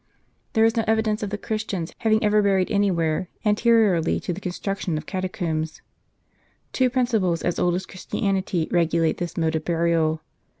There is no evidence of the Christians having ever buried any where, anteriorily to the construction of catacombs. Two principles as old as Christianity regulate this mode of burial.